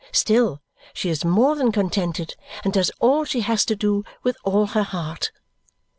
Still, she is more than contented and does all she has to do with all her heart.